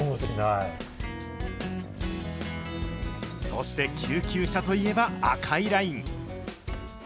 そして救急車といえば、赤いライン。